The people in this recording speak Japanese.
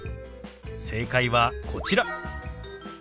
正解はこちら。